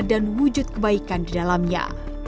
dan wujud kebaikan di dalamnya